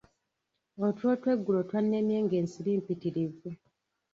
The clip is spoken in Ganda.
Otulo tw'eggulo twannemye nga ensiri mpitirivu.